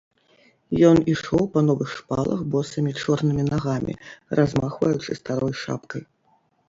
Ён ішоў па новых шпалах босымі чорнымі нагамі, размахваючы старой шапкай.